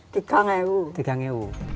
tidak sudah lama